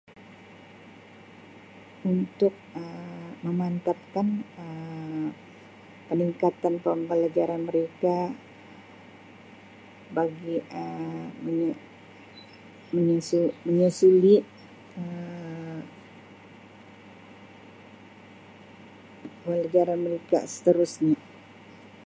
Untuk Um memantapkan Um peningkatan pembelajaran mereka bagi Um me-menyusu-menyusuri Um pelajaran mereka seterusnya.